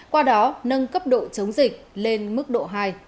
qua đó nâng cấp độ chống dịch lên mức độ hai